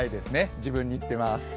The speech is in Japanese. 自分に言ってます。